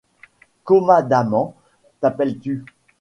Comadament t’appelles-tu ?